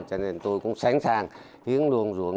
cho nên tôi cũng sẵn sàng hiến luôn ruộng